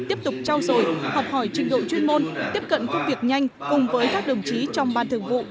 tiếp tục trao dồi học hỏi trình độ chuyên môn tiếp cận công việc nhanh cùng với các đồng chí trong ban thường vụ